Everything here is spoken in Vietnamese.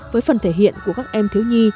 với phần thể hiện của các em thiếu nhi